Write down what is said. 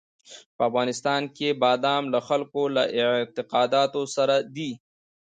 په افغانستان کې بادام له خلکو له اعتقاداتو سره دي.